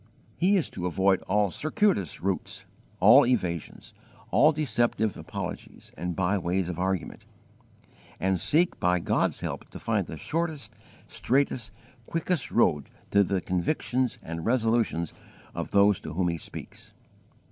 He is to avoid all circuitous routes, all evasions, all deceptive apologies and by ways of argument, and seek by God's help to find the shortest, straightest, quickest road to the convictions and resolutions of those to whom he speaks.